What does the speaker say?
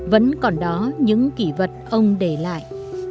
vẫn còn đó những kỷ vật ông để lại